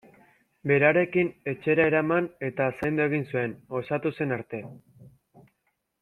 Berarekin etxera eraman eta zaindu egin zuen, osatu zen arte.